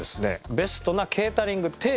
ベストなケータリングテーブル。